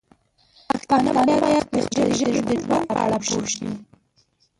پښتانه باید د خپلې ژبې د ژوند په اړه پوه شي.